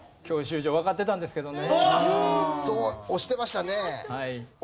そう押してましたね。